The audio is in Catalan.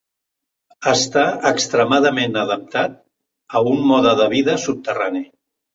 Està extremament adaptat a un mode de vida subterrani.